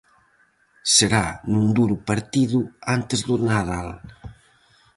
Será nun duro partido antes do Nadal.